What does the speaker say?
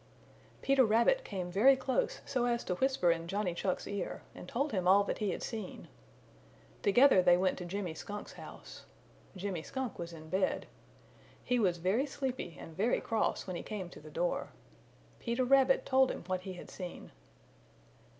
Peter Rabbit came very close so as to whisper in Johnny Chuck's ear, and told him all that he had seen. Together they went to Jimmy Skunk's house. Jimmy Skunk was in bed. He was very sleepy and very cross when he came to the door. Peter Rabbit told him what he had seen.